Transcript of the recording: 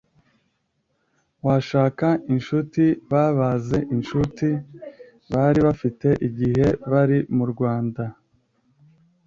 washaka incuti babaze incuti bari bafite igihe bari murwanda